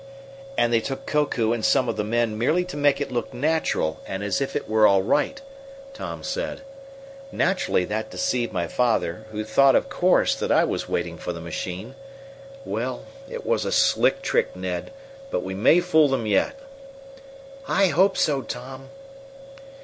"And they took Koku and some of the men merely to make it look natural and as if it were all right," Tom said. "Naturally that deceived my father, who thought, of course, that I was waiting for the machine. Well, it was a slick trick, Ned, but we may fool them yet." "I hope so, Tom."